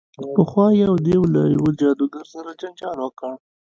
پخوا یو دیو له یوه جادوګر سره جنجال وکړ.